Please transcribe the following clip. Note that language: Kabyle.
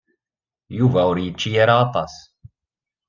Yuba ur yečči ara aṭas.